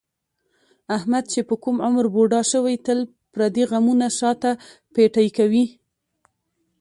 احمد چې په کوم عمر بوډا شوی، تل پردي غمونه شاته پېټی کوي.